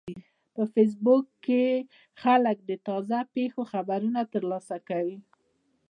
په فېسبوک کې خلک د تازه پیښو خبرونه ترلاسه کوي